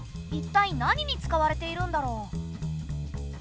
いったい何に使われているんだろう？